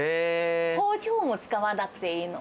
包丁も使わなくていいの。